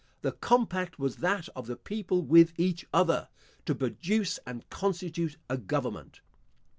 The compact was that of the people with each other, to produce and constitute a government.